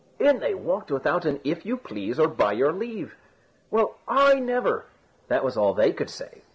In they walked without an "If you please" or "By your leave." "Well, I never!" that was all they could say.